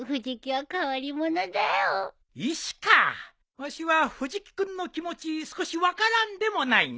わしは藤木君の気持ち少し分からんでもないな。